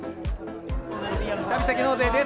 旅先納税です。